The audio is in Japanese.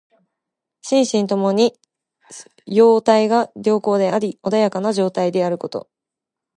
心身ともに様態が良好であり穏やかな状態であること。